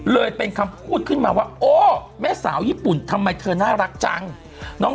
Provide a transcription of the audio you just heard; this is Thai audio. เลยเป็นคำพูดขึ้นมาว่าโอ้แม่สาวญี่ปุ่นทำไมเธอน่ารักจัง